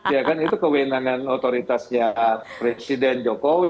ya kan itu kewenangan otoritasnya presiden jokowi